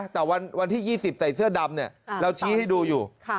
แต่วันที่๒๐ใส่เสื้อดำเราชี้ให้ดูอยู่